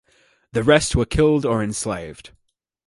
The rest were killed or enslaved.